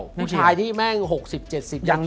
ผู้ชายที่แม่งหกสิบเจ็ดสิบ